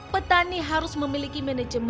petani harus memiliki manajemen pasca panenya